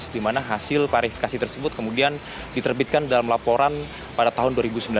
di mana hasil klarifikasi tersebut kemudian diterbitkan dalam laporan pada tahun dua ribu sembilan belas